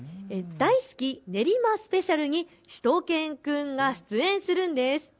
大好き練馬ＳＰにしゅと犬くんが出演するんです。